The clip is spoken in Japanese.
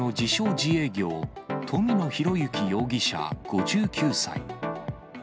自営業、富野弘之容疑者５９歳。